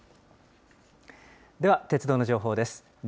では鉄道の情報です。